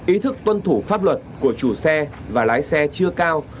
ý thức tuân thủ pháp luật của chủ xe và lái xe chưa cao